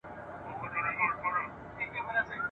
د خزان پر لمن پروت یم له بهار سره مي ژوند دی ..